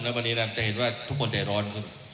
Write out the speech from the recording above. แบบวันนี้จะเห็นว่าทุกคนใจร้อน